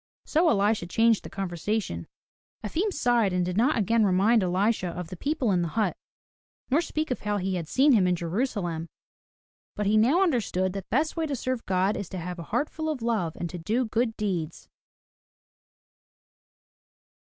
So Elisha changed the conversation. Efim sighed and did not again remind Elisha of the people in the hut nor speak of how he had seen him in Jerusalem. But he now understood that the best way to serve God is to have a heart full of love and to do good deeds.